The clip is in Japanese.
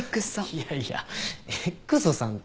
いやいやＸさんって。